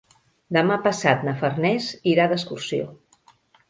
Demà passat na Farners irà d'excursió.